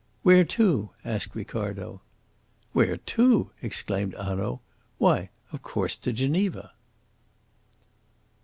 "Where to?" asked Ricardo. "Where to?" exclaimed Hanaud. "Why, of course, to Geneva."